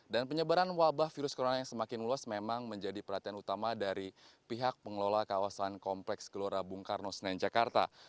dan penyebaran wabah virus corona yang semakin luas memang menjadi perhatian utama dari pihak pengelola kawasan kompleks gelora bung karno senayan jakarta